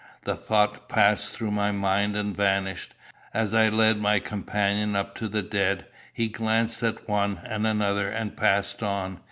The thought passed through my mind and vanished, as I led my companion up to the dead. He glanced at one and another, and passed on.